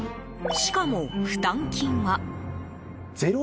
しかも、負担金は。